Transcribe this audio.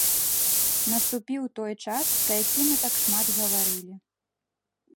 Наступіў той час, пра які мы так шмат гаварылі.